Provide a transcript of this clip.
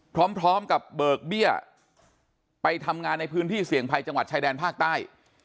พร้อมกับเบิกเบี้ยไปทำงานในพื้นที่เสี่ยงภัยจังหวัดชายแดนภาคใต้